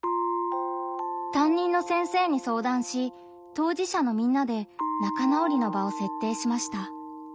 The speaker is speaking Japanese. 担任の先生に相談し当事者のみんなで仲直りの場を設定しました。